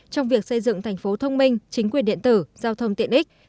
trong việc xây dựng thành phố thông minh chính quyền điện tử giao thông tiện ích